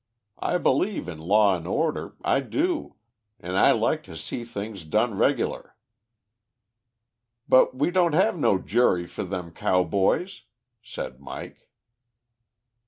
I believe in law and order, I do, an' I like to see things done regular." "But we didn't have no jury for them cowboys," said Mike.